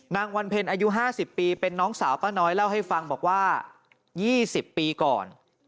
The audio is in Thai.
นางวันเพ็ญอายุ๕๐ปีเป็นน้องสาวป้าน้อยเล่าให้ฟังบอกว่า๒๐ปีก่อน